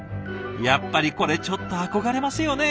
やっぱりこれちょっと憧れますよね。